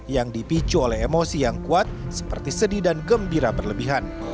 yang dipicu oleh emosi yang kuat seperti sedih dan gembira berlebihan